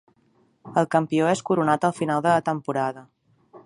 El campió és coronat al final de la temporada.